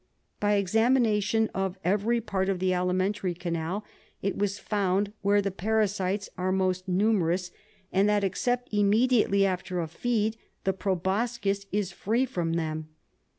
By examination of every part of the alimentary canal it was found where the parasites are most numerous, and that, except immediately after a feed, the proboscis is free from them.